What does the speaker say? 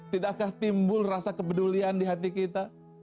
tidakkah timbul rasa kepedulian di hati kita